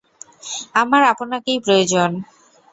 আমার আপনাকেই প্রয়োজন।